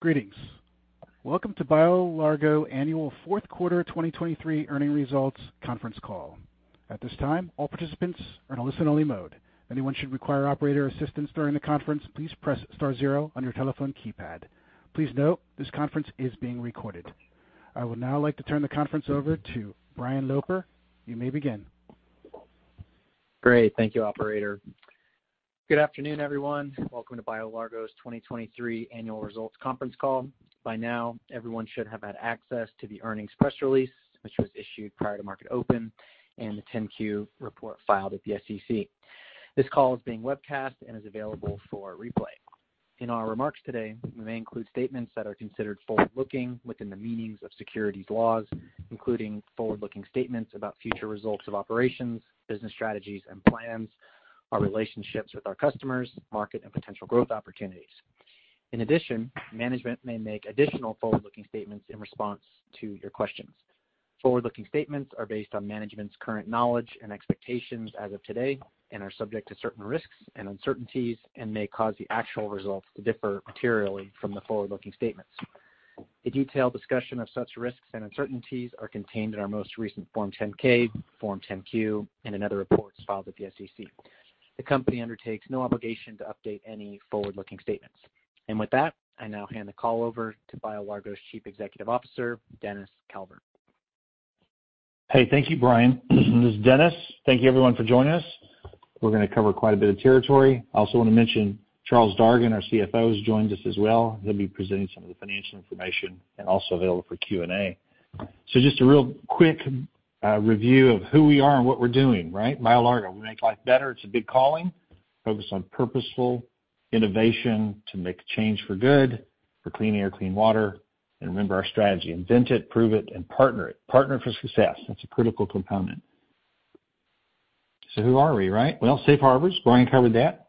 Greetings. Welcome to BioLargo Annual Fourth Quarter 2023 Earnings Results Conference Call. At this time, all participants are in a listen-only mode. Anyone should require operator assistance during the conference, please press star zero on your telephone keypad. Please note, this conference is being recorded. I would now like to turn the conference over to Brian Loper. You may begin. Great. Thank you, operator. Good afternoon, everyone. Welcome to BioLargo's 2023 Annual Results conference call. By now, everyone should have had access to the earnings press release, which was issued prior to market open and the 10-Q report filed at the SEC. This call is being webcast and is available for replay. In our remarks today, we may include statements that are considered forward-looking within the meanings of securities laws, including forward-looking statements about future results of operations, business strategies and plans, our relationships with our customers, market, and potential growth opportunities. In addition, management may make additional forward-looking statements in response to your questions. Forward-looking statements are based on management's current knowledge and expectations as of today, and are subject to certain risks and uncertainties and may cause the actual results to differ materially from the forward-looking statements. A detailed discussion of such risks and uncertainties are contained in our most recent Form 10-K, Form 10-Q, and in other reports filed with the SEC. The company undertakes no obligation to update any forward-looking statements. With that, I now hand the call over to BioLargo's Chief Executive Officer, Dennis Calvert. Hey, thank you, Brian. This is Dennis. Thank you everyone for joining us. We're gonna cover quite a bit of territory. I also want to mention Charles Dargan, our CFO, has joined us as well. He'll be presenting some of the financial information and also available for Q&A. So just a real quick review of who we are and what we're doing, right? BioLargo, we make life better. It's a big calling. Focused on purposeful innovation to make a change for good, for clean air, clean water. And remember our strategy: invent it, prove it, and partner it. Partner for success, that's a critical component. So who are we, right? Well, safe harbors, Brian covered that.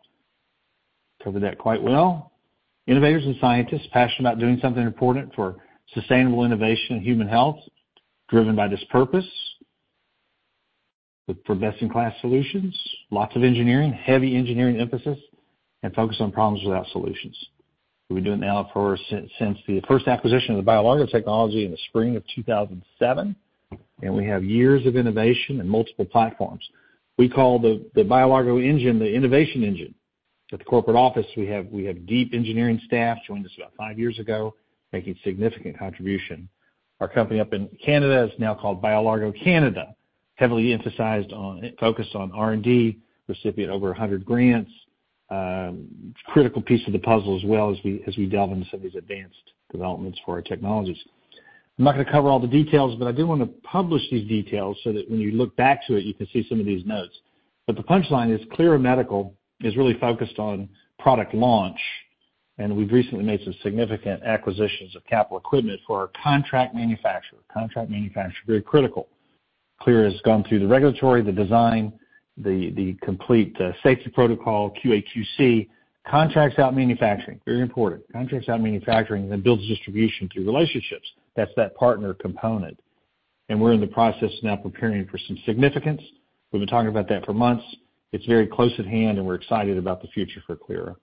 Covered that quite well. Innovators and scientists, passionate about doing something important for sustainable innovation and human health, driven by this purpose. Look for best-in-class solutions, lots of engineering, heavy engineering emphasis, and focus on problems without solutions. We've been doing it now for since the first acquisition of the BioLargo technology in the spring of 2007, and we have years of innovation and multiple platforms. We call the BioLargo engine the innovation engine. At the corporate office, we have deep engineering staff, joined us about five years ago, making significant contribution. Our company up in Canada is now called BioLargo Canada, focused on R&D, recipient over 100 grants. Critical piece of the puzzle as well as we delve into some of these advanced developments for our technologies. I'm not gonna cover all the details, but I do want to publish these details so that when you look back to it, you can see some of these notes. But the punchline is, Clyra Medical is really focused on product launch, and we've recently made some significant acquisitions of capital equipment for our contract manufacturer. Contract manufacturer, very critical. Clyra has gone through the regulatory, the design, the complete safety protocol, QA/QC, contracts out manufacturing, very important. Contracts out manufacturing, then builds distribution through relationships. That's that partner component. And we're in the process now of preparing for some significance. We've been talking about that for months. It's very close at hand, and we're excited about the future for Clyra.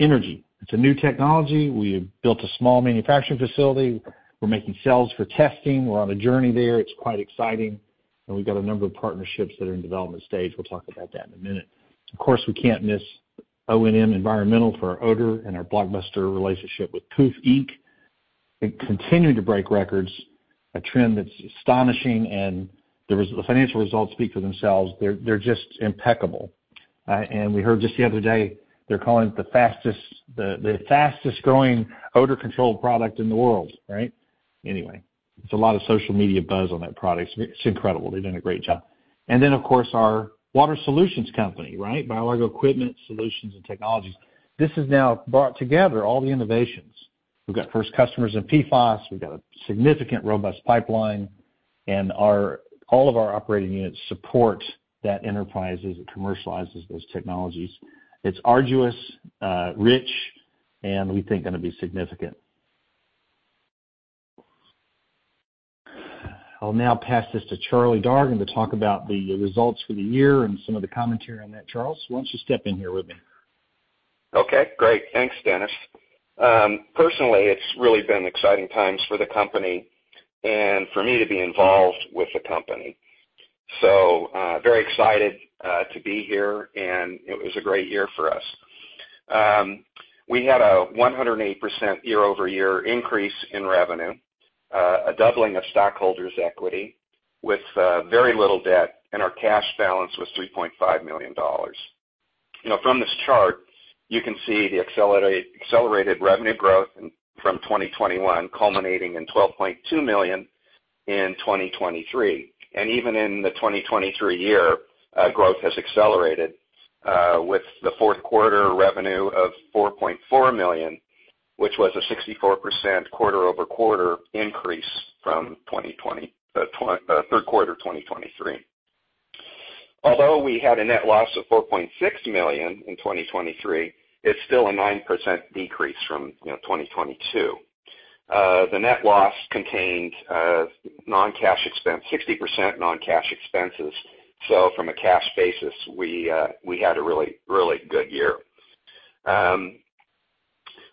Energy. It's a new technology. We have built a small manufacturing facility. We're making cells for testing. We're on a journey there. It's quite exciting, and we've got a number of partnerships that are in development stage. We'll talk about that in a minute. Of course, we can't miss ONM Environmental for our odor and our blockbuster relationship with Pooph Inc. They're continuing to break records, a trend that's astonishing, and the financial results speak for themselves. They're just impeccable. And we heard just the other day, they're calling it the fastest-growing odor control product in the world, right? Anyway, it's a lot of social media buzz on that product. It's incredible. They're doing a great job. And then, of course, our water solutions company, right? BioLargo Equipment Solutions and Technologies. This has now brought together all the innovations. We've got first customers in PFAS, we've got a significant, robust pipeline, and all of our operating units support that enterprise as it commercializes those technologies. It's arduous, rich, and we think gonna be significant. I'll now pass this to Charlie Dargan to talk about the results for the year and some of the commentary on that. Charles, why don't you step in here with me? Okay, great. Thanks, Dennis. Personally, it's really been exciting times for the company and for me to be involved with the company. So, very excited to be here, and it was a great year for us. We had a 108% year-over-year increase in revenue, a doubling of stockholders' equity with very little debt, and our cash balance was $3.5 million. You know, from this chart, you can see the accelerated revenue growth from 2021, culminating in $12.2 million in 2023. And even in the 2023 year, growth has accelerated with the fourth quarter revenue of $4.4 million, which was a 64% quarter-over-quarter increase from third quarter of 2023. Although we had a net loss of $4.6 million in 2023, it's still a 9% decrease from, you know, 2022. The net loss contained non-cash expense, 60% non-cash expenses. So from a cash basis, we had a really, really good year.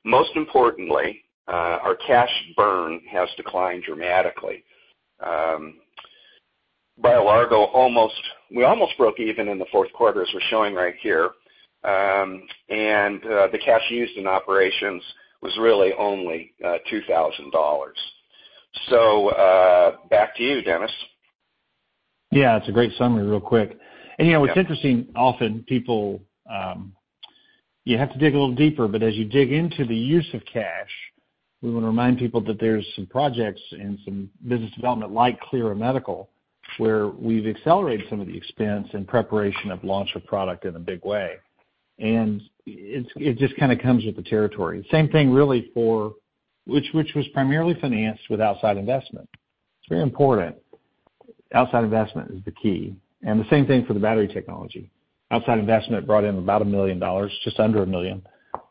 Most importantly, our cash burn has declined dramatically. BioLargo almost, we almost broke even in the fourth quarter, as we're showing right here. And the cash used in operations was really only $2,000. So, back to you, Dennis. Yeah, it's a great summary real quick. And, you know, it's interesting. Often people, you have to dig a little deeper, but as you dig into the use of cash, we want to remind people that there's some projects and some business development like Clyra Medical, where we've accelerated some of the expense in preparation of launch of product in a big way. And it just kind of comes with the territory. Same thing, really, for which, which was primarily financed with outside investment. It's very important. Outside investment is the key, and the same thing for the battery technology. Outside investment brought in about $1 million, just under $1 million,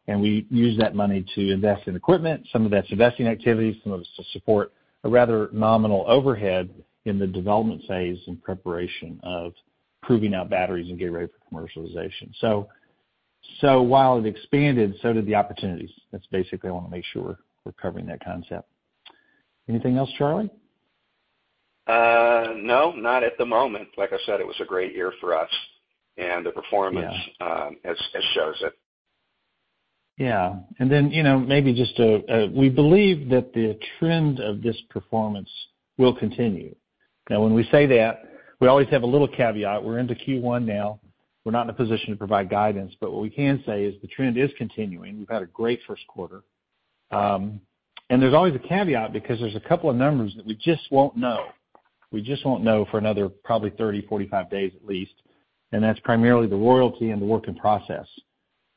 and we used that money to invest in equipment. Some of that's investing activities, some of it's to support a rather nominal overhead in the development phase and preparation of proving out batteries and getting ready for commercialization. So, so while it expanded, so did the opportunities. That's basically I want to make sure we're covering that concept. Anything else, Charlie? No, not at the moment. Like I said, it was a great year for us, and the performance- Yeah as shows it. Yeah. And then, you know, maybe just a, a, we believe that the trend of this performance will continue. Now, when we say that, we always have a little caveat. We're into Q1 now. We're not in a position to provide guidance, but what we can say is the trend is continuing. We've had a great first quarter. And there's always a caveat, because there's a couple of numbers that we just won't know. We just won't know for another probably 30, 45 days at least, and that's primarily the royalty and the work in process,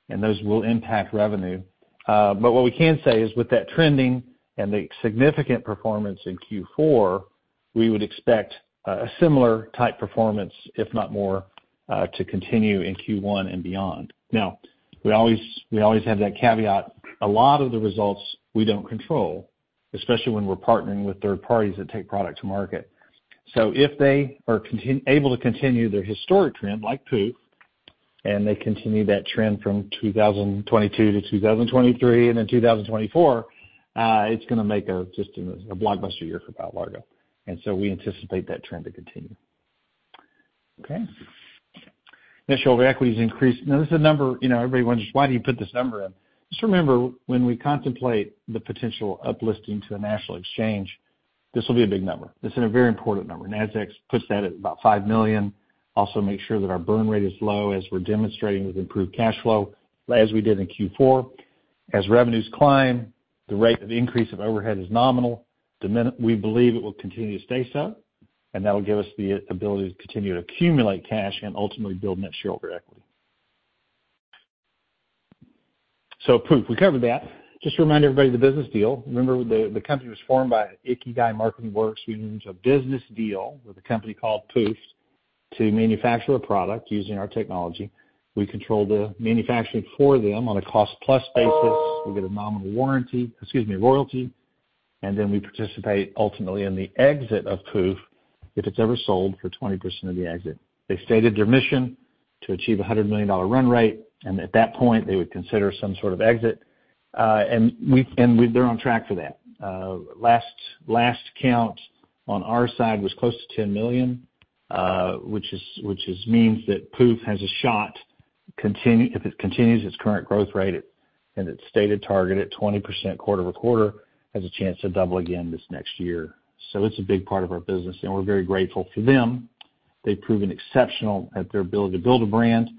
and those will impact revenue. But what we can say is with that trending and the significant performance in Q4, we would expect a, a similar type performance, if not more, to continue in Q1 and beyond. Now, we always, we always have that caveat. A lot of the results we don't control, especially when we're partnering with third parties that take product to market. So if they are able to continue their historic trend, like Pooph, and they continue that trend from 2022 to 2023, and then 2024, it's gonna make just a blockbuster year for BioLargo, and so we anticipate that trend to continue. Okay. Initial equity has increased. Now, this is a number, you know, everybody wonders, why do you put this number in? Just remember, when we contemplate the potential uplisting to the national exchange, this will be a big number. This is a very important number. Nasdaq puts that at about $5 million. Also make sure that our burn rate is low, as we're demonstrating with improved cash flow, as we did in Q4. As revenues climb, the rate of increase of overhead is nominal. We believe it will continue to stay so, and that will give us the ability to continue to accumulate cash and ultimately build net shareholder equity. So Pooph, we covered that. Just to remind everybody of the business deal. Remember, the company was formed by Ikigai Marketing Works, using a business deal with a company called Pooph, to manufacture a product using our technology. We control the manufacturing for them on a cost-plus basis. We get a nominal warranty, excuse me, royalty, and then we participate ultimately in the exit of Pooph, if it's ever sold, for 20% of the exit. They stated their mission to achieve a $100 million run rate, and at that point, they would consider some sort of exit. They're on track for that. Last count on our side was close to $10 million, which means that Pooph has a shot continue. If it continues its current growth rate and its stated target at 20% quarter over quarter, has a chance to double again this next year. So it's a big part of our business, and we're very grateful for them. They've proven exceptional at their ability to build a brand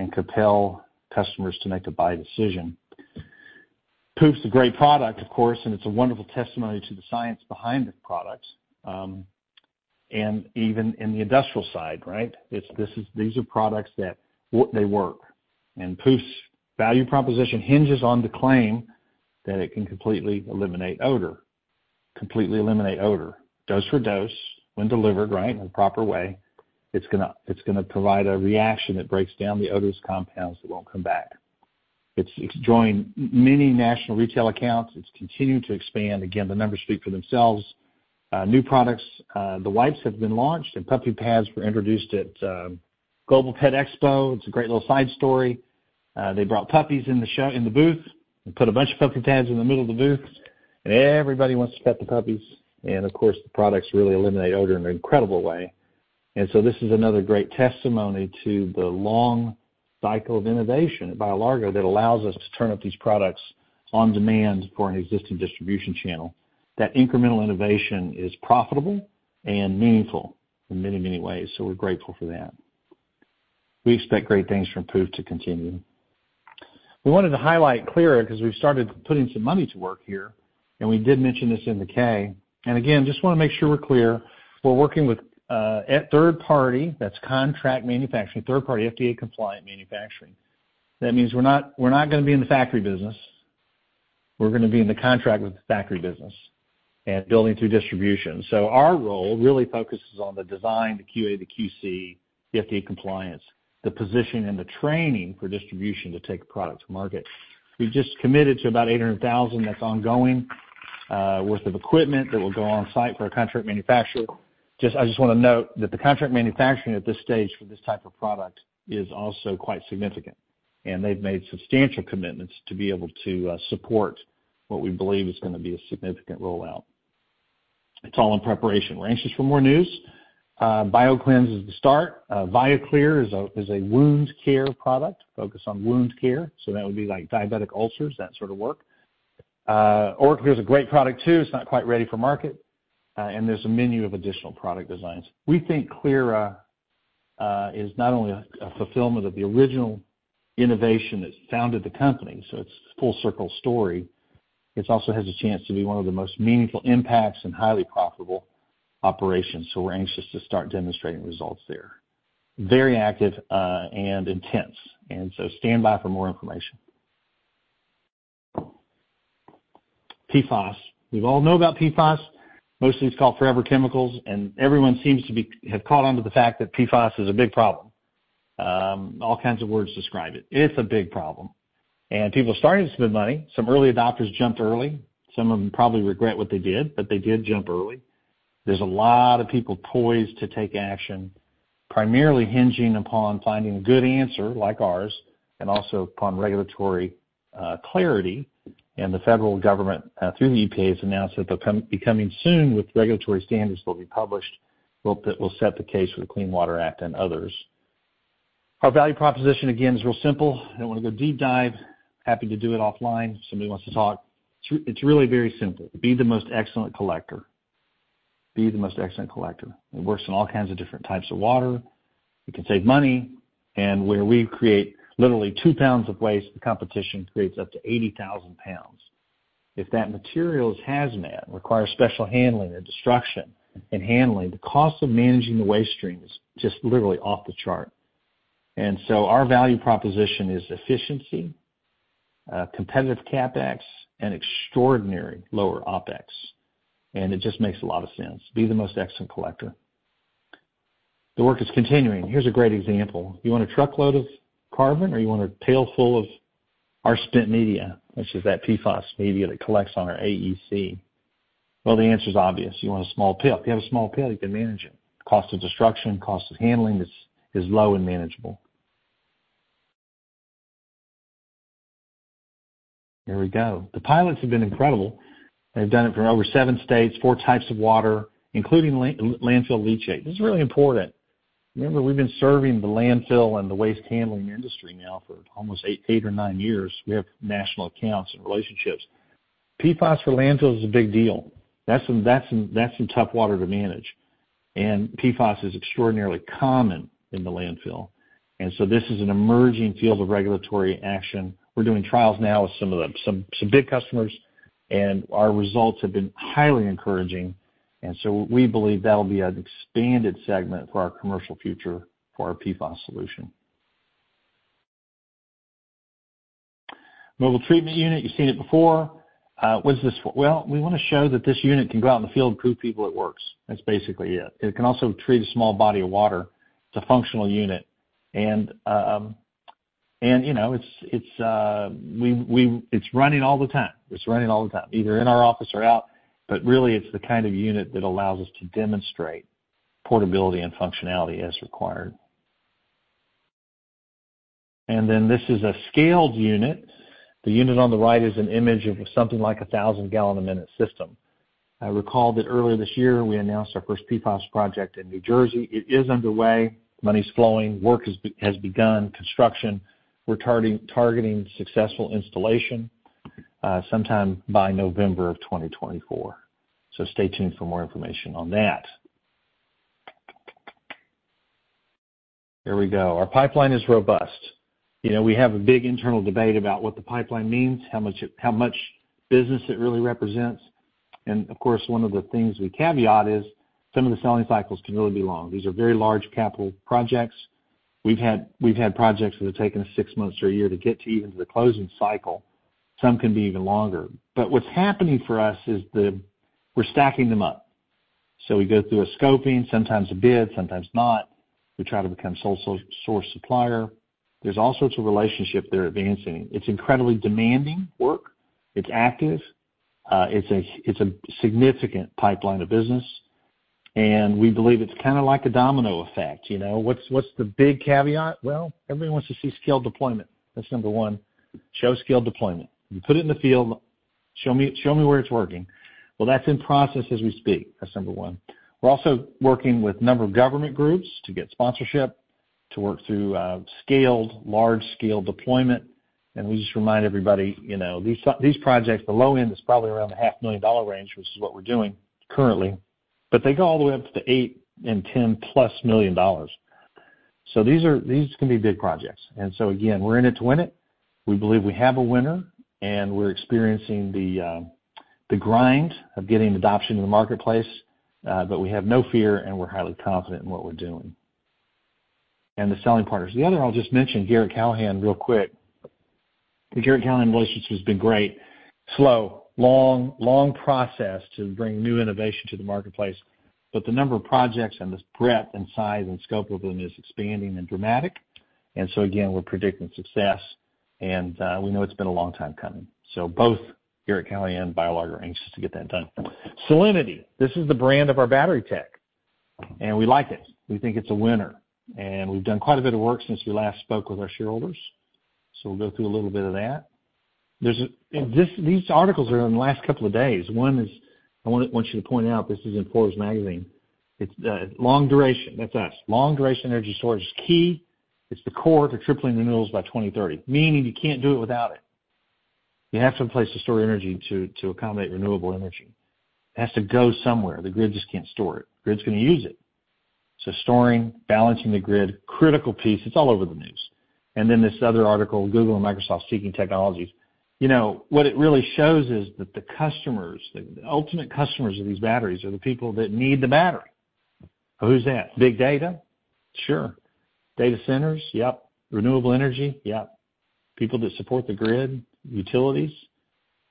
and compel customers to make a buy decision. Pooph's a great product, of course, and it's a wonderful testimony to the science behind the products, and even in the industrial side, right? It's these are products that they work. And Pooph's value proposition hinges on the claim that it can completely eliminate odor. Completely eliminate odor, dose for dose, when delivered right, in the proper way. It's gonna provide a reaction that breaks down the odorous compounds that won't come back. It's joined many national retail accounts. It's continuing to expand. Again, the numbers speak for themselves. New products, the wipes have been launched, and puppy pads were introduced at Global Pet Expo. It's a great little side story. They brought puppies in the show, in the booth, and put a bunch of puppy pads in the middle of the booth, and everybody wants to pet the puppies. And of course, the products really eliminate odor in an incredible way. And so this is another great testimony to the long cycle of innovation at BioLargo that allows us to turn up these products on demand for an existing distribution channel. That incremental innovation is profitable and meaningful in many, many ways, so we're grateful for that. We expect great things from Pooph to continue. We wanted to highlight Clyra because we've started putting some money to work here, and we did mention this in the 10-K. Again, just want to make sure we're clear. We're working with a third party that's contract manufacturing, third party, FDA-compliant manufacturing. That means we're not, we're not gonna be in the factory business. We're gonna be in the contract with the factory business and building through distribution. So our role really focuses on the design, the QA, the QC, FDA compliance, the position, and the training for distribution to take a product to market. We've just committed to about $800,000 that's ongoing worth of equipment that will go on site for a contract manufacturer. I just wanna note that the contract manufacturing at this stage for this type of product is also quite significant, and they've made substantial commitments to be able to support what we believe is gonna be a significant rollout. It's all in preparation. We're anxious for more news. Bioclynse is the start. ViaCLYR is a wound care product, focused on wound care, so that would be like diabetic ulcers, that sort of work. [Orca] is a great product, too, it's not quite ready for market, and there's a menu of additional product designs. We think Clyra is not only a fulfillment of the original innovation that founded the company, so it's full circle story. This also has a chance to be one of the most meaningful impacts and highly profitable operations, so we're anxious to start demonstrating results there. Very active, and intense, and so stand by for more information. PFAS. We all know about PFAS. Mostly it's called forever chemicals, and everyone seems to have caught on to the fact that PFAS is a big problem. All kinds of words describe it. It's a big problem, and people are starting to spend money. Some early adopters jumped early. Some of them probably regret what they did, but they did jump early. There's a lot of people poised to take action, primarily hinging upon finding a good answer like ours, and also upon regulatory clarity. And the federal government, through the EPA, has announced that the coming soon with regulatory standards will be published, will set the case for the Clean Water Act and others. Our value proposition, again, is real simple. I don't wanna go deep dive. Happy to do it offline if somebody wants to talk. It's really very simple: be the most excellent collector. Be the most excellent collector. It works in all kinds of different types of water. It can save money, and where we create literally 2 lbs of waste, the competition creates up to 80,000 lbs. If that material is hazmat, requires special handling and destruction and handling, the cost of managing the waste stream is just literally off the chart. And so our value proposition is efficiency, competitive CapEx, and extraordinary lower OpEx, and it just makes a lot of sense. Be the most excellent collector. The work is continuing. Here's a great example: You want a truckload of carbon, or you want a pail full of our spent media, which is that PFAS media that collects on our AEC? Well, the answer is obvious. You want a small pail. If you have a small pail, you can manage it. Cost of destruction, cost of handling is low and manageable. There we go. The pilots have been incredible. They've done it for over seven states, four types of water, including landfill leachate. This is really important. Remember, we've been serving the landfill and the waste handling industry now for almost eight or nine years. We have national accounts and relationships. PFAS for landfill is a big deal. That's some tough water to manage, and PFAS is extraordinarily common in the landfill. And so this is an emerging field of regulatory action. We're doing trials now with some of them, some big customers, and our results have been highly encouraging. And so we believe that'll be an expanded segment for our commercial future for our PFAS solution. Mobile treatment unit, you've seen it before. What is this for? Well, we wanna show that this unit can go out in the field and prove to people it works. That's basically it. It can also treat a small body of water. It's a functional unit, and, you know, it's running all the time. It's running all the time, either in our office or out, but really, it's the kind of unit that allows us to demonstrate portability and functionality as required. And then this is a scaled unit. The unit on the right is an image of something like a 1,000 gal a minute system. I recall that earlier this year, we announced our first PFAS project in New Jersey. It is underway. Money's flowing. Work has begun, construction. We're targeting, targeting successful installation sometime by November of 2024. So stay tuned for more information on that. Here we go. Our pipeline is robust. You know, we have a big internal debate about what the pipeline means, how much it-- how much business it really represents. And, of course, one of the things we caveat is some of the selling cycles can really be long. These are very large capital projects. We've had, we've had projects that have taken us six months to a year to get to even the closing cycle. Some can be even longer. But what's happening for us is we're stacking them up. So we go through a scoping, sometimes a bid, sometimes not. We try to become sole source supplier. There's all sorts of relationship there advancing. It's incredibly demanding work. It's active. It's a, it's a significant pipeline of business, and we believe it's kinda like a domino effect. You know, what's, what's the big caveat? Well, everyone wants to see scaled deployment. That's number one. Show scaled deployment. You put it in the field, show me, show me where it's working. Well, that's in process as we speak. That's number one. We're also working with a number of government groups to get sponsorship, to work through, scaled, large-scale deployment. And we just remind everybody, you know, these these projects, the low end is probably around the $500,000 range, which is what we're doing currently, but they go all the way up to the $8 million and $10+ million. So these are these can be big projects. And so again, we're in it to win it. We believe we have a winner, and we're experiencing the grind of getting adoption in the marketplace, but we have no fear, and we're highly confident in what we're doing, and the selling partners. The other, I'll just mention Garratt-Callahan real quick. The Garratt-Callahan relationship has been great. Slow, long, long process to bring new innovation to the marketplace, but the number of projects and the breadth and size and scope of them is expanding and dramatic. And so again, we're predicting success, and we know it's been a long time coming. So both Garratt-Callahan and BioLargo are anxious to get that done. Cellinity. This is the brand of our battery tech, and we like it. We think it's a winner, and we've done quite a bit of work since we last spoke with our shareholders, so we'll go through a little bit of that. There's this; these articles are in the last couple of days. One is, I want you to point out, this is in Forbes magazine. It's long duration; that's us. Long-duration energy storage is key. It's the core to tripling renewables by 2030, meaning you can't do it without it. You have some place to store energy to accommodate renewable energy. It has to go somewhere. The grid just can't store it. Grid's going to use it. So storing, balancing the grid, critical piece; it's all over the news. And then this other article, Google and Microsoft seeking technologies. You know, what it really shows is that the customers, the ultimate customers of these batteries, are the people that need the battery. Who's that? Big data? Sure. Data centers? Yep. Renewable energy? Yep. People that support the grid, utilities,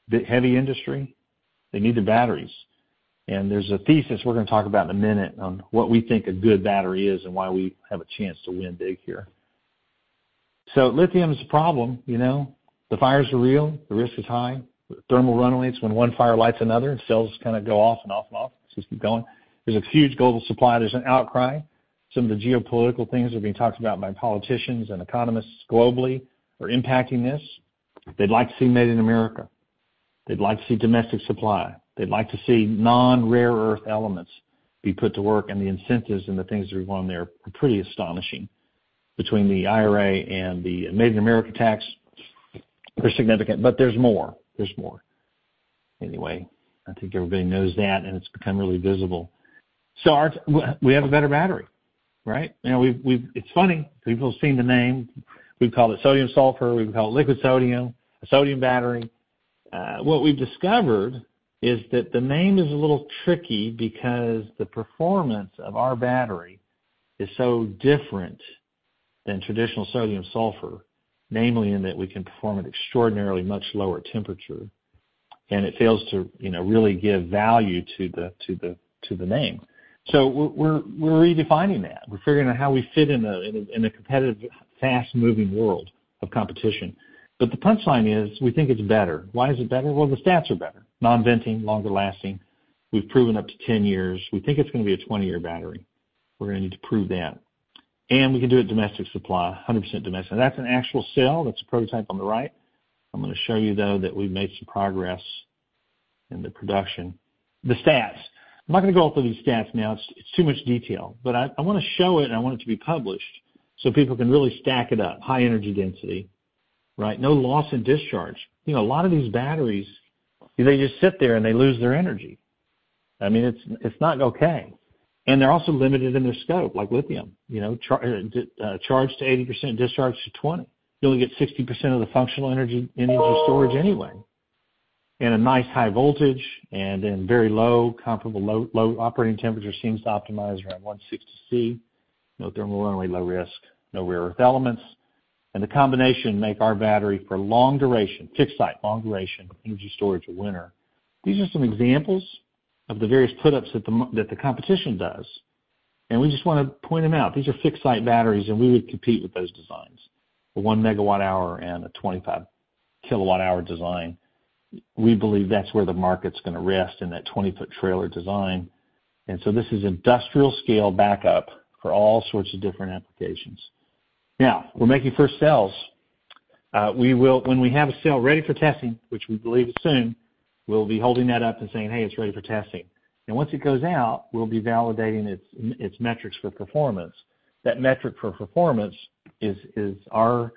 the heavy industry, they need the batteries. There's a thesis we're going to talk about in a minute on what we think a good battery is and why we have a chance to win big here. Lithium is a problem, you know. The fires are real. The risk is high. Thermal runaways, when one fire lights another, cells kind of go off and off and off, just keep going. There's a huge global supply. There's an outcry. Some of the geopolitical things are being talked about by politicians and economists globally are impacting this. They'd like to see Made in America. They'd like to see domestic supply. They'd like to see non-rare earth elements be put to work, and the incentives and the things that are going there are pretty astonishing. Between the IRA and the Made in America tax, they're significant, but there's more, there's more. Anyway, I think everybody knows that, and it's become really visible. So we have a better battery, right? You know, it's funny, people have seen the name. We've called it sodium sulfur, we've called it liquid sodium, a sodium battery. What we've discovered is that the name is a little tricky because the performance of our battery is so different than traditional sodium sulfur, namely, in that we can perform at extraordinarily much lower temperature, and it fails to, you know, really give value to the name. So we're redefining that. We're figuring out how we fit in a competitive, fast-moving world of competition. But the punchline is, we think it's better. Why is it better? Well, the stats are better. Non-venting, longer lasting. We've proven up to 10 years. We think it's going to be a 20-year battery. We're going to need to prove that. And we can do it domestic supply, 100% domestic. That's an actual cell. That's a prototype on the right. I'm going to show you, though, that we've made some progress in the production. The stats. I'm not going to go through these stats now. It's too much detail, but I want to show it, and I want it to be published so people can really stack it up. High energy density, right? No loss in discharge. You know, a lot of these batteries, they just sit there, and they lose their energy. I mean, it's, it's not okay. And they're also limited in their scope, like lithium, you know, charged to 80%, discharged to 20%. You only get 60% of the functional energy in energy storage anyway. And a nice high voltage and then very low, comparable low, low operating temperature seems to optimize around 1.6 C. No thermal runaway, low risk, no rare earth elements. And the combination make our battery for long duration, fixed site, long duration, energy storage, a winner. These are some examples of the various put ups that the competition does, and we just want to point them out. These are fixed-site batteries, and we would compete with those designs, a 1 MWh and a 25 kWh design. We believe that's where the market's going to rest in that 20-foot trailer design, and so this is industrial-scale backup for all sorts of different applications. Now, we're making first cells. We will, when we have a cell ready for testing, which we believe is soon, we'll be holding that up and saying, "Hey, it's ready for testing." And once it goes out, we'll be validating its metrics for performance. That metric for performance is, is our,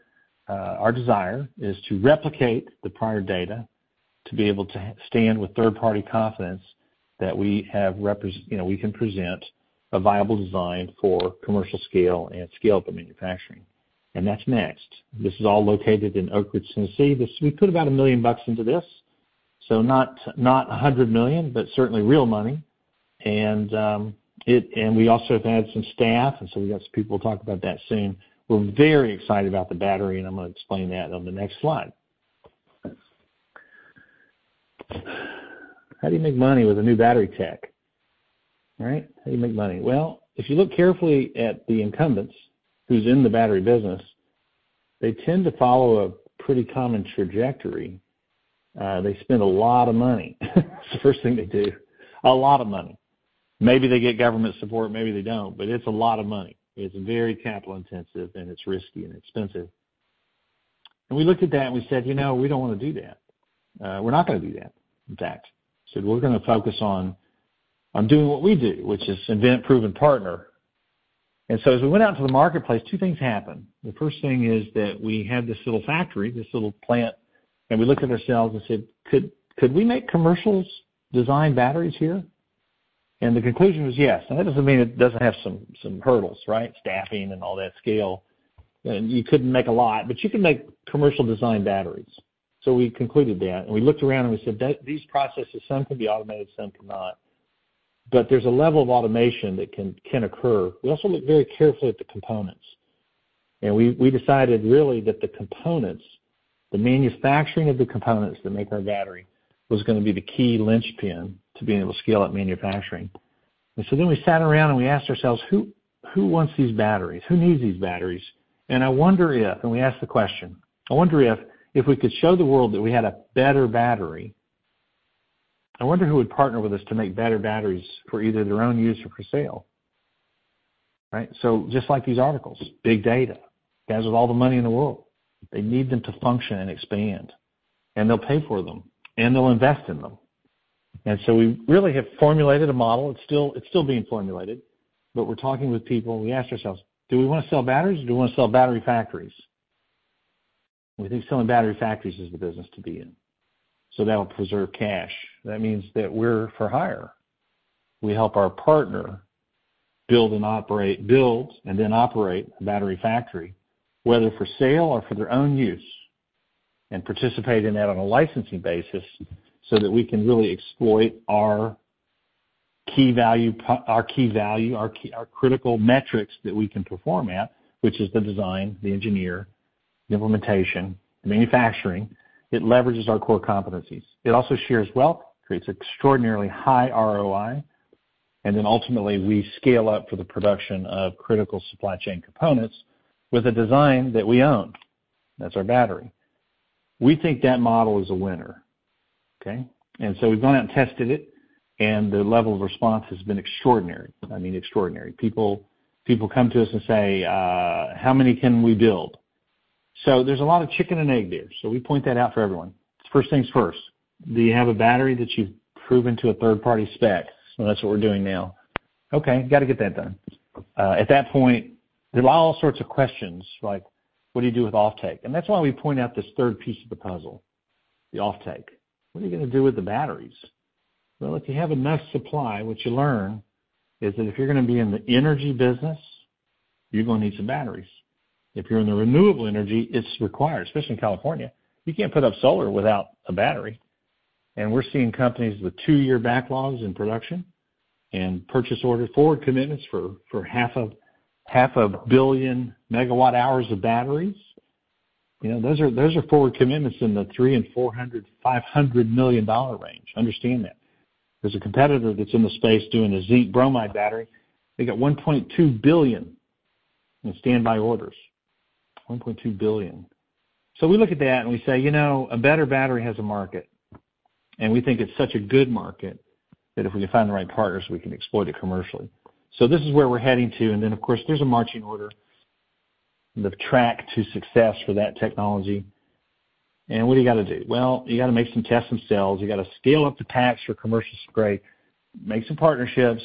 our desire, is to replicate the prior data, to be able to stand with third-party confidence that we have repres... You know, we can present a viable design for commercial scale and scale for manufacturing. And that's next. This is all located in Oak Ridge, Tennessee. This, we put about $1 million into this, so not $100 million, but certainly real money. We also have added some staff, and so we've got some people who will talk about that soon. We're very excited about the battery, and I'm going to explain that on the next slide. How do you make money with a new battery tech, right? How do you make money? Well, if you look carefully at the incumbents, who's in the battery business, they tend to follow a pretty common trajectory. They spend a lot of money. It's the first thing they do, a lot of money. Maybe they get government support, maybe they don't, but it's a lot of money. It's very capital intensive, and it's risky and expensive. And we looked at that, and we said, "You know, we don't want to do that. We're not going to do that, in fact." We said, "We're going to focus on doing what we do, which is invent, proven, partner." And so as we went out to the marketplace, two things happened. The first thing is that we had this little factory, this little plant, and we looked at ourselves and said, "Could we make commercially designed batteries here?" And the conclusion was, yes. And that doesn't mean it doesn't have some hurdles, right? Staffing and all that scale. And you couldn't make a lot, but you can make commercial design batteries. So we concluded that, and we looked around and we said that these processes, some can be automated, some cannot. But there's a level of automation that can occur. We also look very carefully at the components, and we decided really that the components, the manufacturing of the components that make our battery, was gonna be the key linchpin to being able to scale up manufacturing. So then we sat around and we asked ourselves: Who wants these batteries? Who needs these batteries? And we asked the question: I wonder if we could show the world that we had a better battery. I wonder who would partner with us to make better batteries for either their own use or for sale, right? So just like these articles, big data, guys with all the money in the world, they need them to function and expand, and they'll pay for them, and they'll invest in them. And so we really have formulated a model. It's still, it's still being formulated, but we're talking with people, and we asked ourselves: Do we wanna sell batteries, or do we wanna sell battery factories? We think selling battery factories is the business to be in, so that'll preserve cash. That means that we're for hire. We help our partner build and operate, build, and then operate a battery factory, whether for sale or for their own use, and participate in that on a licensing basis, so that we can really exploit our key value, our key value, our key... Our critical metrics that we can perform at, which is the design, the engineer, the implementation, the manufacturing. It leverages our core competencies. It also shares wealth, creates extraordinarily high ROI, and then ultimately, we scale up for the production of critical supply chain components with a design that we own. That's our battery. We think that model is a winner, okay? And so we've gone out and tested it, and the level of response has been extraordinary. I mean, extraordinary. People, people come to us and say, "How many can we build?" So there's a lot of chicken and egg there, so we point that out for everyone. First things first, do you have a battery that you've proven to a third-party spec? So that's what we're doing now. Okay, gotta get that done. At that point, there are all sorts of questions, like: What do you do with offtake? And that's why we point out this third piece of the puzzle, the offtake. What are you gonna do with the batteries? Well, if you have enough supply, what you learn is that if you're gonna be in the energy business, you're gonna need some batteries. If you're in the renewable energy, it's required, especially in California. You can't put up solar without a battery. We're seeing companies with two-year backlogs in production and purchase order forward commitments for 500 million MWh of batteries. You know, those are forward commitments in the $300 million-$500 million range. Understand that. There's a competitor that's in the space doing a zinc bromide battery. They got $1.2 billion in standby orders. $1.2 billion. So we look at that and we say, "You know, a better battery has a market," and we think it's such a good market, that if we can find the right partners, we can exploit it commercially. So this is where we're heading to, and then, of course, there's a marching order, the track to success for that technology. What do you gotta do? Well, you gotta make some tests themselves. You gotta scale up the packs for commercial spray, make some partnerships,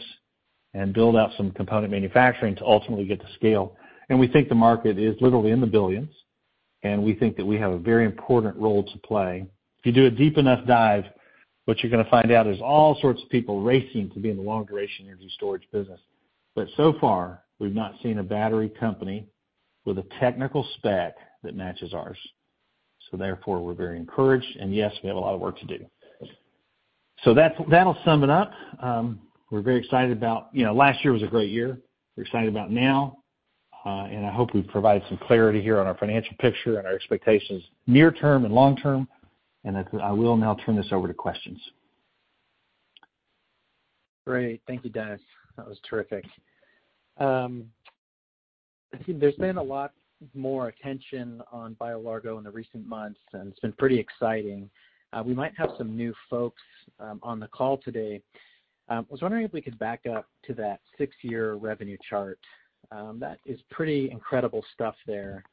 and build out some component manufacturing to ultimately get to scale. And we think the market is literally in the billions, and we think that we have a very important role to play. If you do a deep enough dive, what you're gonna find out is all sorts of people racing to be in the long-duration energy storage business. But so far, we've not seen a battery company with a technical spec that matches ours. So therefore, we're very encouraged, and yes, we have a lot of work to do. So that's - that'll sum it up. We're very excited about... You know, last year was a great year. We're excited about now, and I hope we've provided some clarity here on our financial picture and our expectations, near term and long term, and I will now turn this over to questions. Great. Thank you, Dennis. That was terrific. I think there's been a lot more attention on BioLargo in the recent months, and it's been pretty exciting. We might have some new folks on the call today. I was wondering if we could back up to that six-year revenue chart. That is pretty incredible stuff there.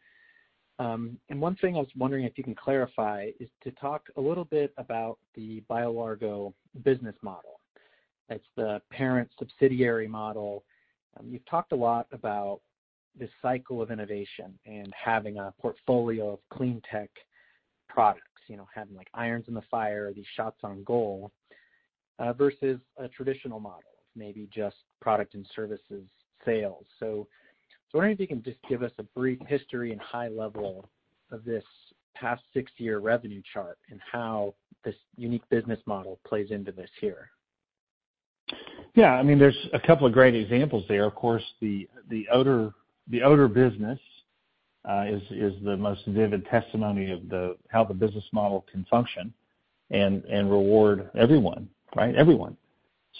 And one thing I was wondering if you can clarify is to talk a little bit about the BioLargo business model. It's the parent-subsidiary model. You've talked a lot about this cycle of innovation and having a portfolio of clean tech products, you know, having, like, irons in the fire, these shots on goal versus a traditional model, maybe just product and services sales. I was wondering if you can just give us a brief history and high level of this past six-year revenue chart and how this unique business model plays into this here? Yeah, I mean, there's a couple of great examples there. Of course, the odor business is the most vivid testimony of how the business model can function and reward everyone, right? Everyone.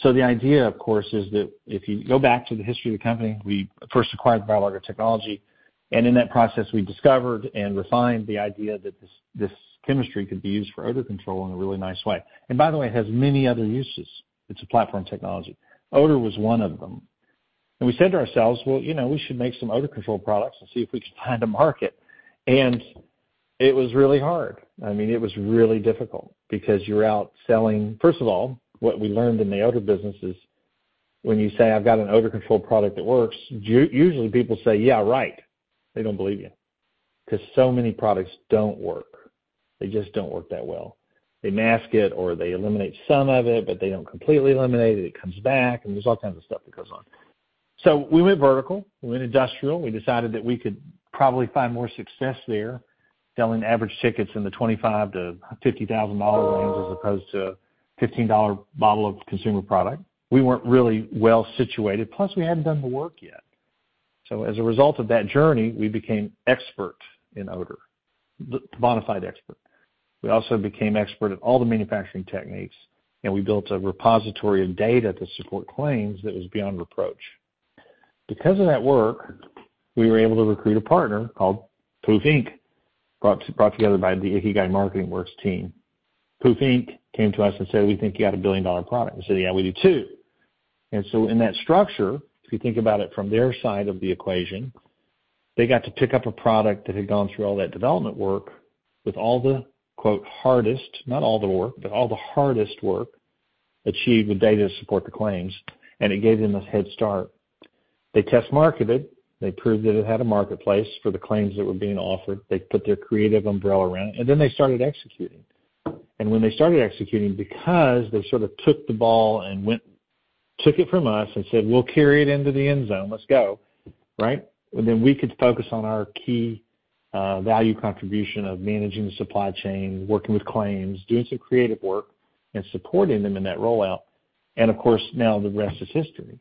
So the idea, of course, is that if you go back to the history of the company, we first acquired BioLargo technology, and in that process, we discovered and refined the idea that this chemistry could be used for odor control in a really nice way. And by the way, it has many other uses. It's a platform technology. Odor was one of them. And we said to ourselves, "Well, you know, we should make some odor control products and see if we can find a market." And it was really hard. I mean, it was really difficult because you're out selling... First of all, what we learned in the odor business is, when you say: I've got an odor control product that works, usually people say, "Yeah, right!" They don't believe you, 'cause so many products don't work. They just don't work that well. They mask it, or they eliminate some of it, but they don't completely eliminate it. It comes back, and there's all kinds of stuff that goes on.... So we went vertical, we went industrial. We decided that we could probably find more success there, selling average tickets in the $25,000-$50,000 range as opposed to a $15 bottle of consumer product. We weren't really well situated, plus we hadn't done the work yet. So as a result of that journey, we became expert in odor, the bona fide expert. We also became expert in all the manufacturing techniques, and we built a repository of data to support claims that was beyond reproach. Because of that work, we were able to recruit a partner called Pooph Inc., brought together by the Ikigai Marketing Works team. Pooph Inc. came to us and said, "We think you got a billion-dollar product." We said, "Yeah, we do, too." And so in that structure, if you think about it from their side of the equation, they got to pick up a product that had gone through all that development work with all the quote, hardest, not all the work, but all the hardest work, achieved with data to support the claims, and it gave them a head start. They test-marketed, they proved that it had a marketplace for the claims that were being offered. They put their creative umbrella around it, and then they started executing. And when they started executing, because they sort of took the ball and went, took it from us and said, "We'll carry it into the end zone. Let's go." Right? And then we could focus on our key value contribution of managing the supply chain, working with claims, doing some creative work, and supporting them in that rollout. And of course, now the rest is history.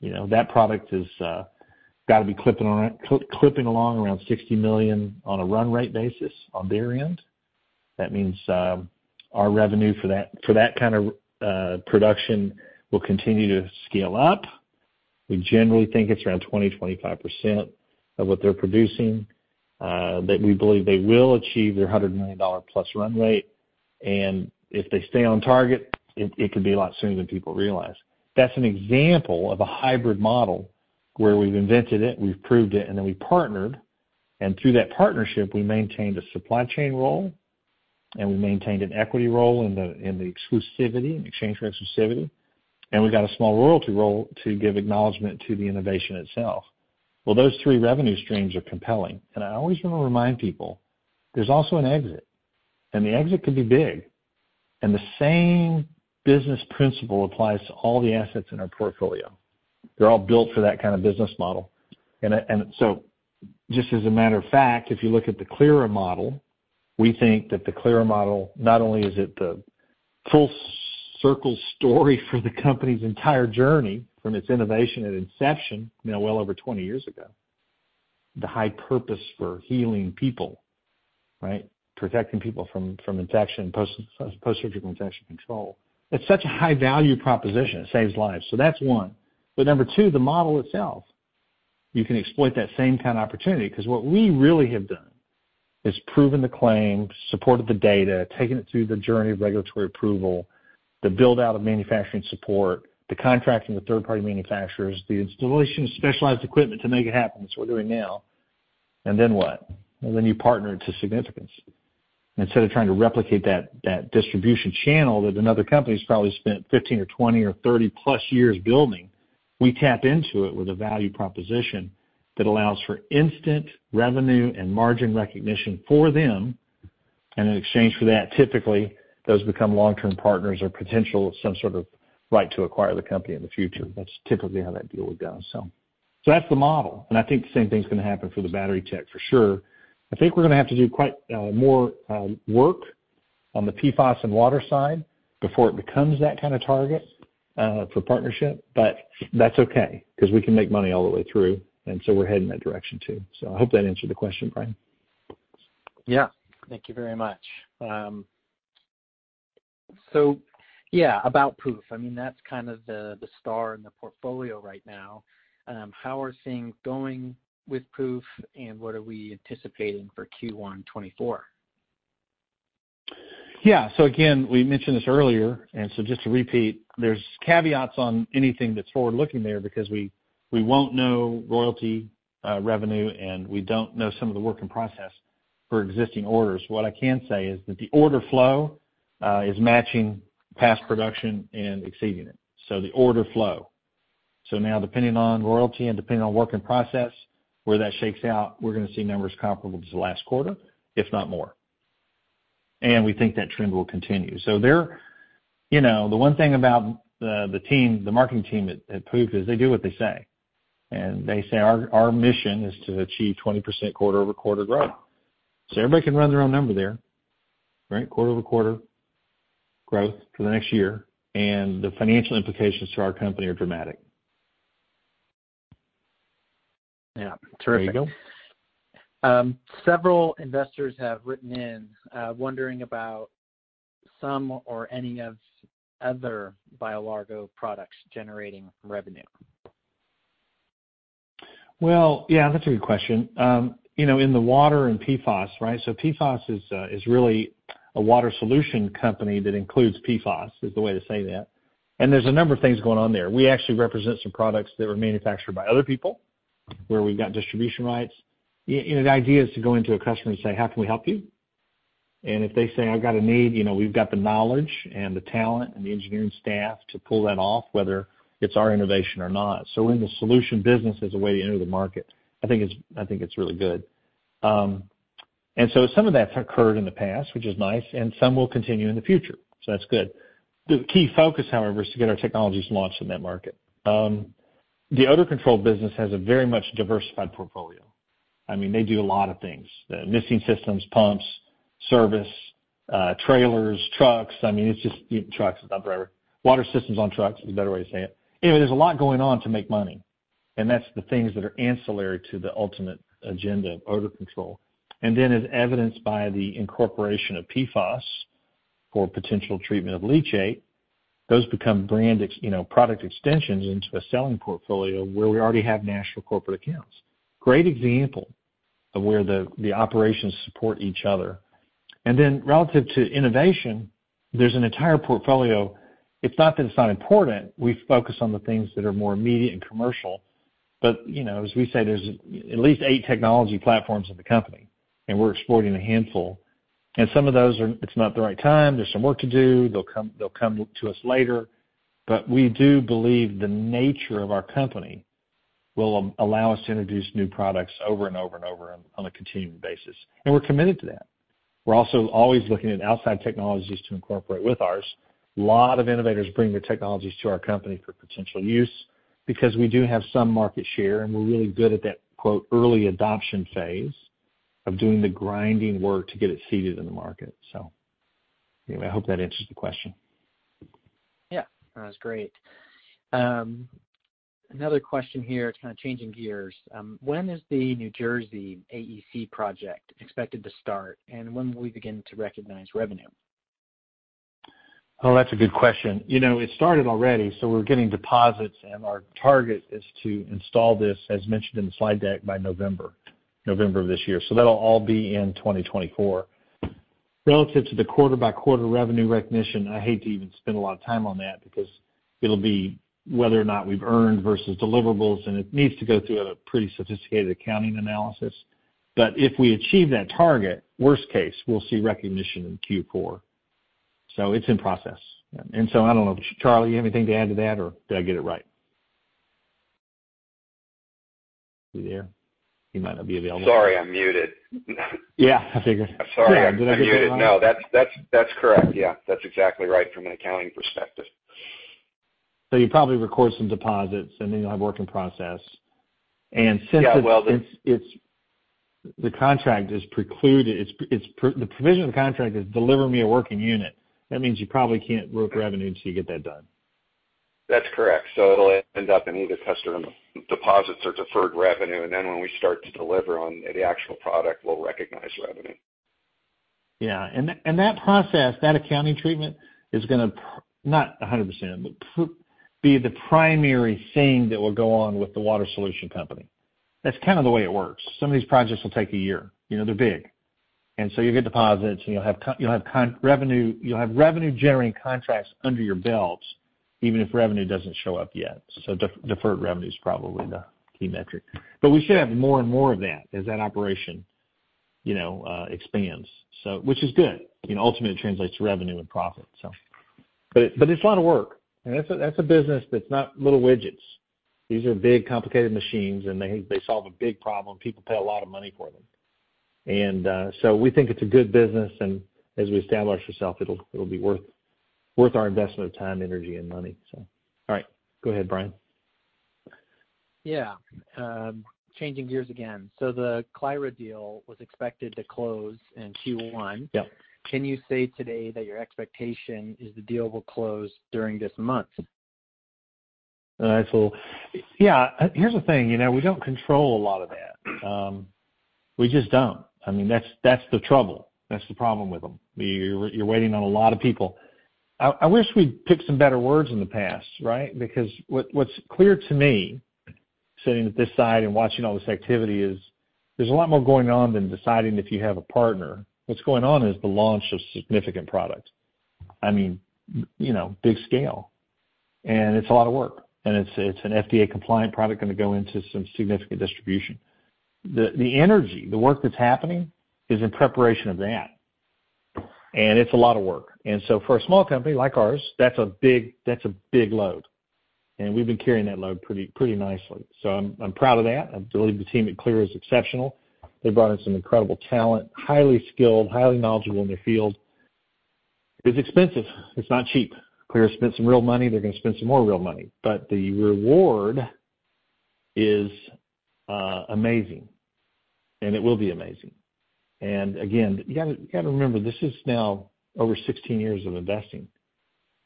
You know, that product is got to be clipping on, clipping along around $60 million on a run rate basis on their end. That means, our revenue for that, for that kind of production will continue to scale up. We generally think it's around 20%-25% of what they're producing, that we believe they will achieve their $100 million+ run rate, and if they stay on target, it could be a lot sooner than people realize. That's an example of a hybrid model where we've invented it, we've proved it, and then we partnered. And through that partnership, we maintained a supply chain role, and we maintained an equity role in the, in the exclusivity, in exchange for exclusivity, and we got a small royalty role to give acknowledgment to the innovation itself. Well, those three revenue streams are compelling, and I always want to remind people there's also an exit, and the exit could be big. And the same business principle applies to all the assets in our portfolio. They're all built for that kind of business model. And so just as a matter of fact, if you look at the Clyra model, we think that the Clyra model, not only is it the full circle story for the company's entire journey from its innovation and inception, you know, well over 20 years ago, the high purpose for healing people, right? Protecting people from infection, post-surgical infection control. It's such a high-value proposition. It saves lives. So that's one. But number two, the model itself, you can exploit that same kind of opportunity, 'cause what we really have done is proven the claims, supported the data, taken it through the journey of regulatory approval, the build-out of manufacturing support, the contracting with third-party manufacturers, the installation of specialized equipment to make it happen, which we're doing now. And then what? Well, then you partner it to significance. Instead of trying to replicate that, that distribution channel that another company's probably spent 15 or 20 or 30+ years building, we tap into it with a value proposition that allows for instant revenue and margin recognition for them, and in exchange for that, typically, those become long-term partners or potential some sort of right to acquire the company in the future. That's typically how that deal would go. So, so that's the model, and I think the same thing's gonna happen for the battery tech for sure. I think we're gonna have to do quite more work on the PFAS and water side before it becomes that kind of target for partnership. But that's okay, 'cause we can make money all the way through, and so we're heading in that direction, too. So I hope that answered the question, Brian. Yeah. Thank you very much. So yeah, about Pooph. I mean, that's kind of the star in the portfolio right now. How are things going with Pooph, and what are we anticipating for Q1 2024? Yeah. So again, we mentioned this earlier, and so just to repeat, there's caveats on anything that's forward-looking there because we won't know royalty revenue, and we don't know some of the work in process for existing orders. What I can say is that the order flow is matching past production and exceeding it, so the order flow. So now, depending on royalty and depending on work in process, where that shakes out, we're gonna see numbers comparable to last quarter, if not more. And we think that trend will continue. So there... You know, the one thing about the team, the marketing team at Pooph, is they do what they say. And they say, "Our mission is to achieve 20% quarter-over-quarter growth." So everybody can run their own number there, right? Quarter-over-quarter growth for the next year, and the financial implications to our company are dramatic. Yeah, terrific. There you go. Several investors have written in, wondering about some or any of other BioLargo products generating revenue. Well, yeah, that's a good question. You know, in the water and PFAS, right? So PFAS is, is really a water solution company that includes PFAS, is the way to say that. And there's a number of things going on there. We actually represent some products that were manufactured by other people, where we've got distribution rights. You know, the idea is to go into a customer and say, "How can we help you?" And if they say, "I've got a need," you know, we've got the knowledge and the talent and the engineering staff to pull that off, whether it's our innovation or not. So we're in the solution business as a way to enter the market. I think it's, I think it's really good. Some of that's occurred in the past, which is nice, and some will continue in the future, so that's good. The key focus, however, is to get our technologies launched in that market. The odor control business has a very much diversified portfolio. I mean, they do a lot of things, misting systems, pumps, service, trailers, trucks. I mean, it's just trucks, not whatever. Water systems on trucks is a better way to say it. Anyway, there's a lot going on to make money, and that's the things that are ancillary to the ultimate agenda of odor control. And then, as evidenced by the incorporation of PFAS for potential treatment of leachate, those become brand ex- you know, product extensions into a selling portfolio where we already have national corporate accounts. Great example of where the operations support each other. Relative to innovation, there's an entire portfolio. It's not that it's not important. We focus on the things that are more immediate and commercial. You know, as we say, there's at least eight technology platforms in the company, and we're exploring a handful. Some of those are. It's not the right time, there's some work to do. They'll come, they'll come to us later. We do believe the nature of our company will allow us to introduce new products over and over and over on a continuing basis, and we're committed to that. We're also always looking at outside technologies to incorporate with ours. lot of innovators bring their technologies to our company for potential use because we do have some market share, and we're really good at that, quote, "early adoption phase" of doing the grinding work to get it seeded in the market. So anyway, I hope that answers the question. Yeah, that was great. Another question here, kind of changing gears. When is the New Jersey AEC project expected to start, and when will we begin to recognize revenue? Oh, that's a good question. You know, it started already, so we're getting deposits, and our target is to install this, as mentioned in the slide deck, by November, November of this year. So that'll all be in 2024. Relative to the quarter-by-quarter revenue recognition, I hate to even spend a lot of time on that because it'll be whether or not we've earned versus deliverables, and it needs to go through a pretty sophisticated accounting analysis. But if we achieve that target, worst case, we'll see recognition in Q4. So it's in process. And so I don't know. Charlie, you have anything to add to that, or did I get it right? You there? He might not be available. Sorry, I'm muted. Yeah, I figured. Sorry, I'm muted. Did I get that right? No, that's correct. Yeah, that's exactly right from an accounting perspective. You probably record some deposits, and then you'll have work in process. Yeah, well- Since it's, the contract is precluded. It's the provision of the contract is deliver me a working unit. That means you probably can't book revenue until you get that done. That's correct. So it'll end up in either customer deposits or deferred revenue, and then when we start to deliver on the actual product, we'll recognize revenue. Yeah, and that, and that process, that accounting treatment, is gonna probably not 100%, but probably be the primary thing that will go on with the water solution company. That's kind of the way it works. Some of these projects will take a year, you know, they're big. And so you'll get deposits, and you'll have contract revenue, you'll have revenue-generating contracts under your belts, even if revenue doesn't show up yet. So deferred revenue is probably the key metric. But we should have more and more of that as that operation, you know, expands. So, which is good. You know, ultimately, it translates to revenue and profit, so. But it, but it's a lot of work, and that's a, that's a business that's not little widgets. These are big, complicated machines, and they, they solve a big problem. People pay a lot of money for them. And so we think it's a good business, and as we establish ourself, it'll be worth our investment of time, energy, and money. So all right. Go ahead, Brian. Yeah. Changing gears again. So the Clyra deal was expected to close in Q1. Yep. Can you say today that your expectation is the deal will close during this month? All right, so yeah. Here's the thing, you know, we don't control a lot of that. We just don't. I mean, that's, that's the trouble. That's the problem with them. You're, you're waiting on a lot of people. I, I wish we'd picked some better words in the past, right? Because what, what's clear to me, sitting at this side and watching all this activity, is there's a lot more going on than deciding if you have a partner. What's going on is the launch of significant product. I mean, you know, big scale, and it's a lot of work, and it's, it's an FDA-compliant product going to go into some significant distribution. The, the energy, the work that's happening is in preparation of that, and it's a lot of work. For a small company like ours, that's a big, that's a big load, and we've been carrying that load pretty, pretty nicely. So I'm, I'm proud of that. I believe the team at Clyra is exceptional. They brought in some incredible talent, highly skilled, highly knowledgeable in their field. It's expensive. It's not cheap. Clyra spent some real money. They're gonna spend some more real money, but the reward is amazing, and it will be amazing. And again, you gotta, you gotta remember, this is now over 16 years of investing.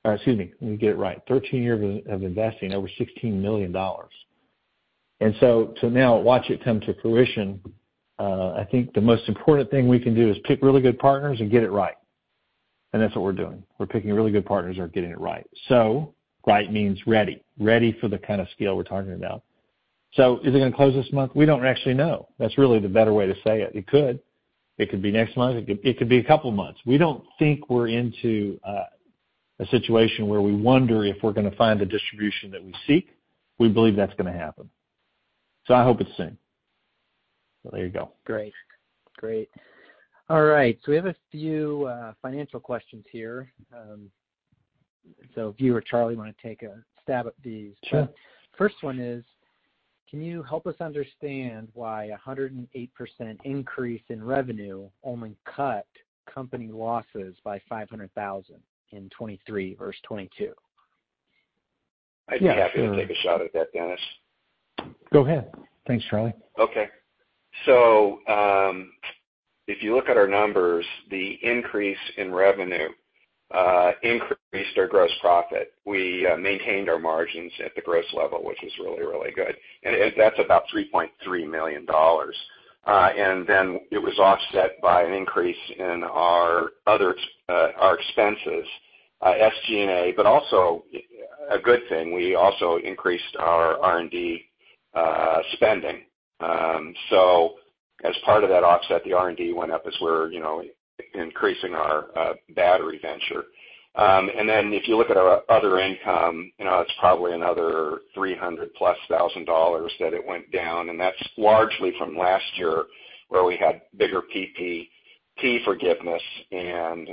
Excuse me, let me get it right. 13 years of investing, over $16 million. And so to now watch it come to fruition, I think the most important thing we can do is pick really good partners and get it right, and that's what we're doing. We're picking really good partners and getting it right. So right means ready, ready for the kind of scale we're talking about. So is it gonna close this month? We don't actually know. That's really the better way to say it. It could. It could be next month. It could, it could be a couple months. We don't think we're into a situation where we wonder if we're gonna find the distribution that we seek. We believe that's gonna happen. So I hope it's soon. So there you go. Great. Great. All right, so we have a few financial questions here. So if you or Charlie want to take a stab at these? Sure. First one is, can you help us understand why a 108% increase in revenue only cut company losses by $500,000 in 2023 versus 2022? Yeah, sure. I'd be happy to take a shot at that, Dennis. Go ahead. Thanks, Charlie. Okay. So, if you look at our numbers, the increase in revenue increased our gross profit. We maintained our margins at the gross level, which is really, really good, and that's about $3.3 million. And then it was offset by an increase in our other expenses, SG&A, but also a good thing, we also increased our R&D spending. So as part of that offset, the R&D went up as we're, you know, increasing our battery venture. And then if you look at our other income, you know, it's probably another $300,000+ that it went down, and that's largely from last year, where we had bigger PPP forgiveness and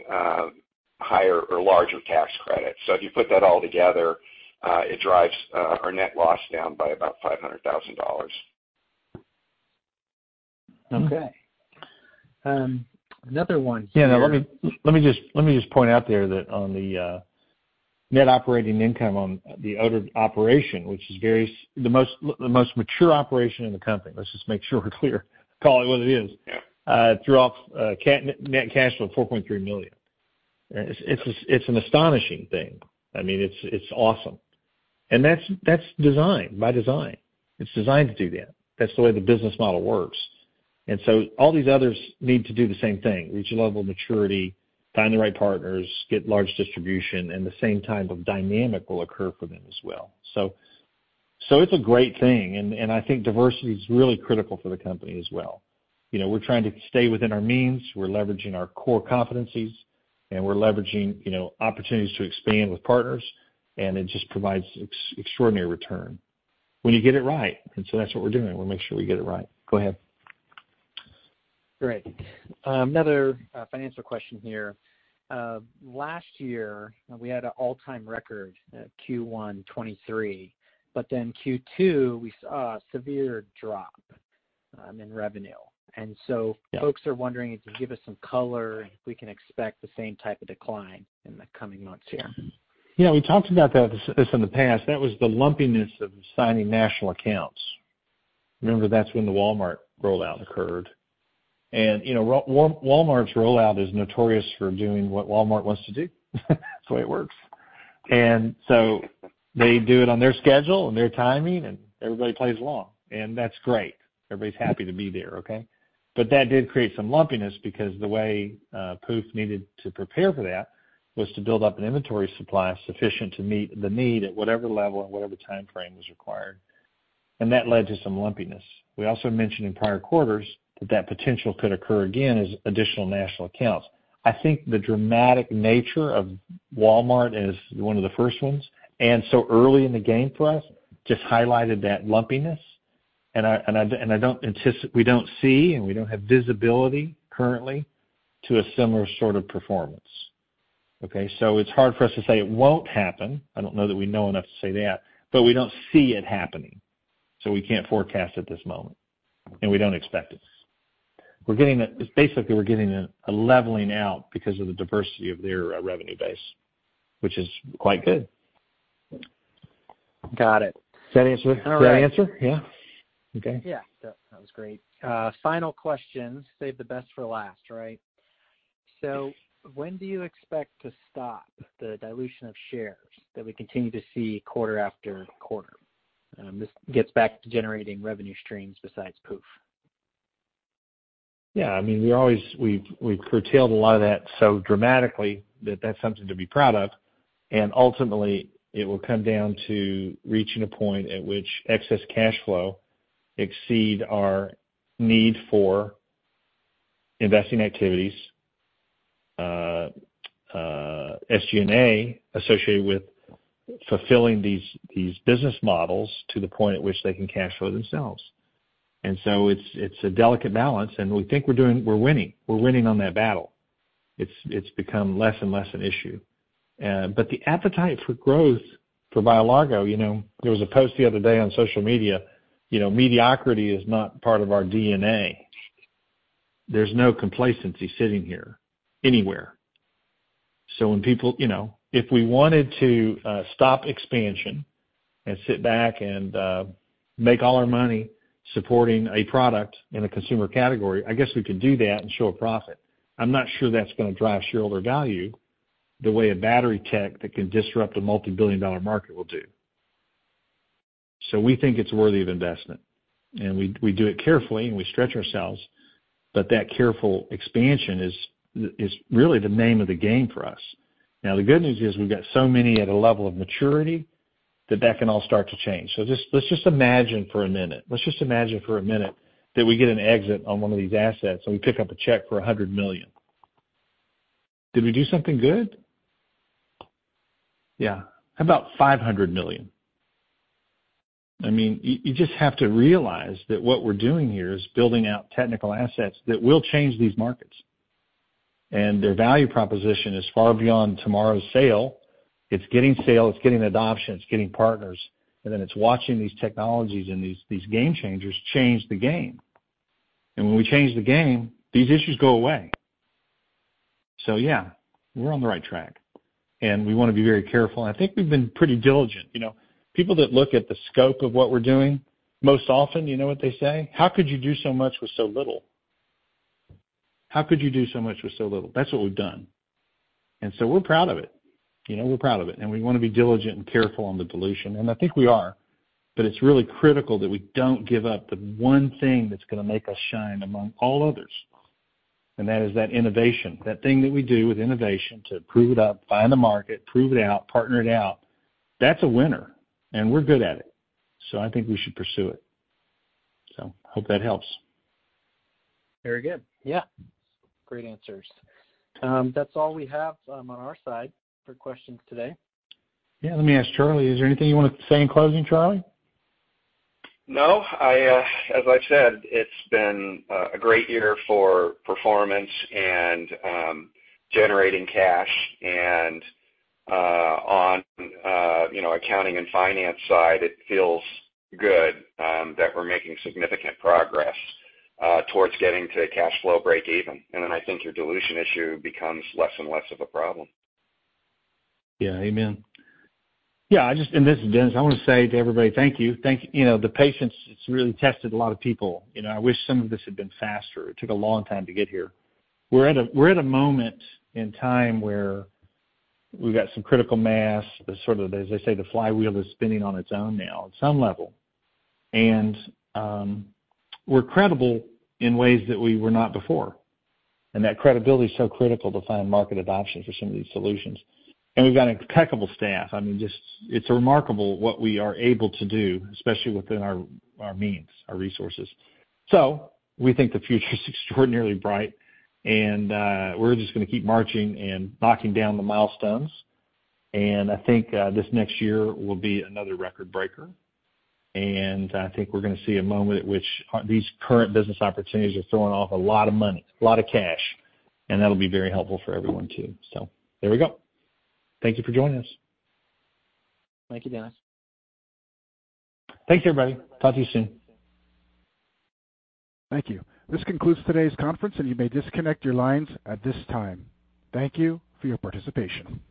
higher or larger tax credits. If you put that all together, it drives our net loss down by about $500,000. Okay. Another one here- Yeah, now let me, let me just, let me just point out there that on the net operating income on the other operation, which is very the most, the most mature operation in the company. Let's just make sure we're clear: call it what it is. Yeah. Threw off cash, net cash flow of $4.3 million. It's an astonishing thing. I mean, it's awesome. And that's design, by design. It's designed to do that. That's the way the business model works. And so all these others need to do the same thing, reach a level of maturity, find the right partners, get large distribution, and the same type of dynamic will occur for them as well. So it's a great thing, and I think diversity is really critical for the company as well. You know, we're trying to stay within our means. We're leveraging our core competencies, and we're leveraging, you know, opportunities to expand with partners, and it just provides extraordinary return when you get it right. And so that's what we're doing, we're making sure we get it right. Go ahead. Great. Another financial question here. Last year, we had an all-time record at Q1 2023, but then Q2, we saw a severe drop in revenue. Yeah. And so folks are wondering if you can give us some color, if we can expect the same type of decline in the coming months here. Yeah, we talked about that, this in the past. That was the lumpiness of signing national accounts. Remember, that's when the Walmart rollout occurred. You know, Walmart's rollout is notorious for doing what Walmart wants to do. That's the way it works. So they do it on their schedule and their timing, and everybody plays along, and that's great. Everybody's happy to be there, okay? But that did create some lumpiness because the way Pooph needed to prepare for that was to build up an inventory supply sufficient to meet the need at whatever level and whatever timeframe was required, and that led to some lumpiness. We also mentioned in prior quarters that that potential could occur again as additional national accounts. I think the dramatic nature of Walmart as one of the first ones, and so early in the game for us, just highlighted that lumpiness, and I don't anticipate we don't see and we don't have visibility currently to a similar sort of performance, okay? So it's hard for us to say it won't happen. I don't know that we know enough to say that, but we don't see it happening, so we can't forecast at this moment, and we don't expect it. We're getting a leveling out. Basically, we're getting a leveling out because of the diversity of their revenue base, which is quite good. Got it. Does that answer, does that answer? Yeah. Okay. Yeah, that, that was great. Final question, save the best for last, right? So when do you expect to stop the dilution of shares that we continue to see quarter after quarter? This gets back to generating revenue streams besides Pooph. Yeah, I mean, we always... We've, we've curtailed a lot of that so dramatically that that's something to be proud of, and ultimately, it will come down to reaching a point at which excess cash flow exceed our need for investing activities, SG&A, associated with fulfilling these, these business models to the point at which they can cash flow themselves. And so it's, it's a delicate balance, and we think we're doing, we're winning, we're winning on that battle. It's, it's become less and less an issue. But the appetite for growth for BioLargo, you know, there was a post the other day on social media, you know, "Mediocrity is not part of our DNA." There's no complacency sitting here anywhere. So when people... You know, if we wanted to stop expansion and sit back and make all our money supporting a product in a consumer category, I guess we could do that and show a profit. I'm not sure that's gonna drive shareholder value, the way a battery tech that can disrupt a multi-billion-dollar market will do. So we think it's worthy of investment, and we do it carefully, and we stretch ourselves, but that careful expansion is really the name of the game for us. Now, the good news is we've got so many at a level of maturity that that can all start to change. So just, let's just imagine for a minute, let's just imagine for a minute that we get an exit on one of these assets, and we pick up a check for $100 million. Did we do something good? Yeah. How about $500 million? I mean, you, you just have to realize that what we're doing here is building out technical assets that will change these markets. And their value proposition is far beyond tomorrow's sale. It's getting sales, it's getting adoption, it's getting partners, and then it's watching these technologies and these, these game changers change the game. And when we change the game, these issues go away. So yeah, we're on the right track, and we wanna be very careful, and I think we've been pretty diligent. You know, people that look at the scope of what we're doing, most often, you know what they say? How could you do so much with so little? How could you do so much with so little? That's what we've done. And so we're proud of it, you know, we're proud of it, and we wanna be diligent and careful on the dilution, and I think we are. But it's really critical that we don't give up the one thing that's gonna make us shine among all others, and that is that innovation. That thing that we do with innovation, to prove it up, find the market, prove it out, partner it out, that's a winner, and we're good at it. So I think we should pursue it. So, hope that helps. Very good. Yeah, great answers. That's all we have, on our side for questions today. Yeah. Let me ask Charlie, is there anything you want to say in closing, Charlie? No, as I've said, it's been a great year for performance and generating cash. And on, you know, accounting and finance side, it feels good that we're making significant progress towards getting to a cash flow break even. And then I think your dilution issue becomes less and less of a problem. Yeah. Amen. Yeah, I just—and this is Dennis, I wanna say to everybody, thank you. Thank you. You know, the patience, it's really tested a lot of people. You know, I wish some of this had been faster. It took a long time to get here. We're at a, we're at a moment in time where we've got some critical mass, the sort of, as they say, the flywheel is spinning on its own now, at some level. And, we're credible in ways that we were not before, and that credibility is so critical to find market adoption for some of these solutions. And we've got an impeccable staff. I mean, just, it's remarkable what we are able to do, especially within our, our means, our resources. So we think the future is extraordinarily bright, and, we're just gonna keep marching and knocking down the milestones. I think this next year will be another record breaker. I think we're gonna see a moment at which these current business opportunities are throwing off a lot of money, a lot of cash, and that'll be very helpful for everyone, too. There we go. Thank you for joining us. Thank you, Dennis. Thanks, everybody. Talk to you soon. Thank you. This concludes today's conference, and you may disconnect your lines at this time. Thank you for your participation.